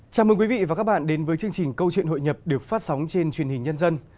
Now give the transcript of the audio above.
chào mừng quý vị và các bạn đến với chương trình câu chuyện hội nhập được phát sóng trên truyền hình nhân dân